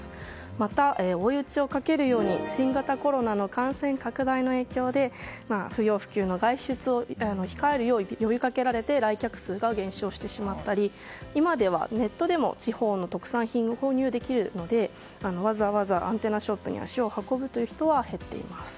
また、追い打ちをかけるように新型コロナの感染拡大の影響で不要不急の外出を控えるよう呼びかけられて来客数が減少してしまったり今ではネットでも地方の特産品を購入できるのでわざわざ、アンテナショップに足を運ぶという人は減っています。